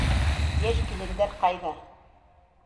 Йәш килендәр ҡайҙа?